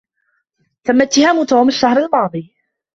تم اتهام توم الشهر الماضي.